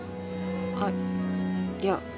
あっいや。